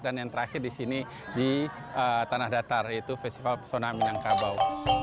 dan yang terakhir di sini di tanah datar yaitu festival pesona minangkabau